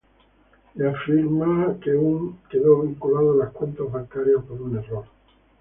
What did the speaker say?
Y afirma que Hunt quedó vinculado a las cuentas bancarias por un error.